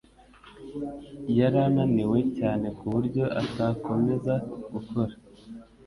Yari ananiwe cyane ku buryo atakomeza gukora.